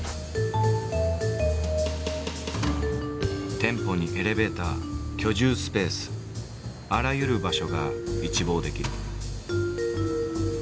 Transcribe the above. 店舗にエレベーター居住スペースあらゆる場所が一望できる。